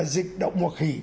dịch động mục khí